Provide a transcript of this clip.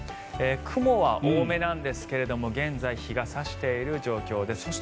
雲は多めなんですが現在、日が差している状況です。